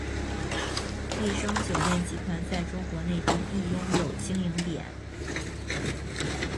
丽笙酒店集团在中国内地亦拥有经营点。